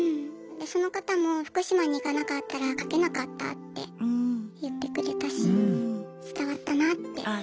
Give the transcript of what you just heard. その方も福島に行かなかったら書けなかったって言ってくれたし伝わったなって。